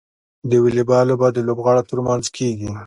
د واليبال لوبه د لوبغاړو ترمنځ کیږي.